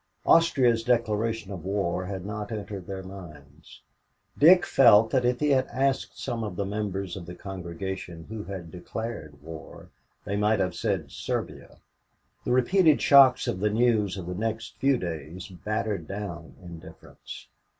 Austria's declaration of war had not entered their minds. Dick felt that if he had asked some of the members of his congregation who had declared war, they might have said, "Serbia." The repeated shocks of the news of the next few days battered down indifference.